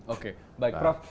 oke baik prof